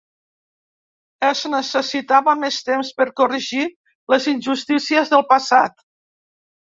Es necessitava més temps per corregir les injustícies del passat.